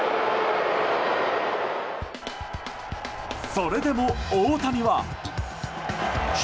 それでも大谷は。